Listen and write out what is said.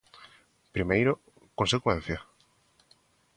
Primeiro, ¿consecuencia?